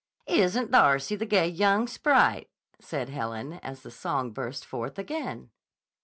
"Isn't Darcy the gay young sprite!" said Helen as the song burst forth again.